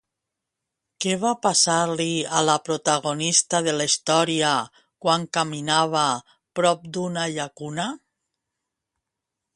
Què va passar-li a la protagonista de la història quan caminava prop d'una llacuna?